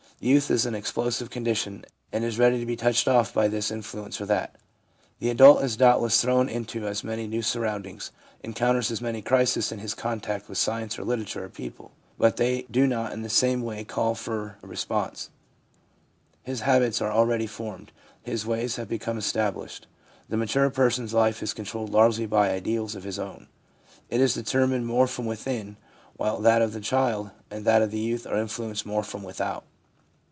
Youth is in an explosive condition, and is ready to be touched off by this influence or that. The adult is doubtless thrown into as many new surroundings — encounters as many crises in his contact with science or literature or people ; but they do not in the same way call forth a response. His habits are already formed ; his ways have become established. The mature person's life is controlled largely by ideals of his own ; it is determined more from within, while that of the child and that of the youth are influenced more from without.